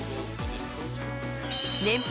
年俸